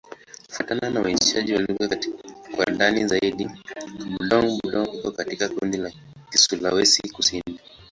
Kufuatana na uainishaji wa lugha kwa ndani zaidi, Kibudong-Budong iko katika kundi la Kisulawesi-Kusini.